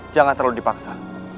jangan terlalu dipaksa